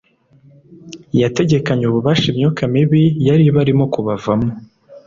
yategekanye ububasha imyuka mibi yari ibarimo kubavamo